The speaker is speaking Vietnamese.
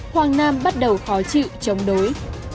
hoàng nam bắt đầu khó chịu chống đối